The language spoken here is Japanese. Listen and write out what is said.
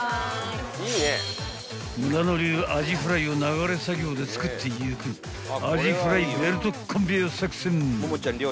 ［村野流アジフライを流れ作業で作っていくアジフライベルトコンベヤー作戦］